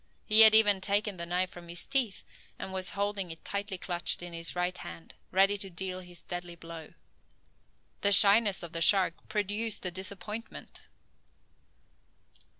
He had even taken the knife from his teeth, and was holding it tightly clutched in his right hand, ready to deal his deadly blow. The shyness of the shark produced a disappointment.